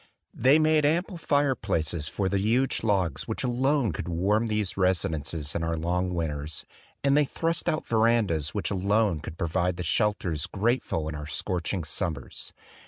They made am ple fireplaces for the huge logs which alone could warm these residences in our long winters; and they thrust out verandas which alone could pro vide the shelters grateful in our scorching sum mers.